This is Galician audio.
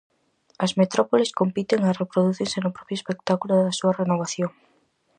As metrópoles compiten e reprodúcense no propio espectáculo da súa renovación.